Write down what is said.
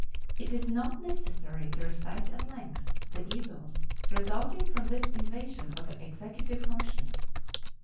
It is not necessary to recite at length the evils resulting from this invasion of the Executive functions.